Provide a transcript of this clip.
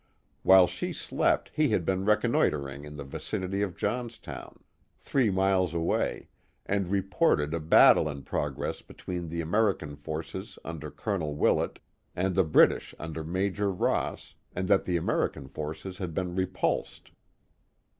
While she slept he had been re connoitring in the vicinity of Johnstown, three miles away, and reported a battle in progress between the American forces under Colonel Willett and the British under Major Ross, and that l!ie American forces had been repulsed.